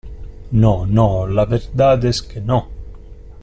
no. no, la verdad es que no .